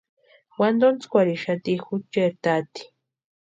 Wantontskwarixati jucheri tati.